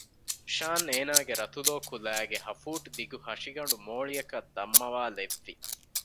ޝާން އޭނާގެ ރަތުލޯ ކުލައިގެ ހަފޫޓްދިގު ހަށިގަނޑު މޯޅިއަކަށް ދަންމަވާލެއްވި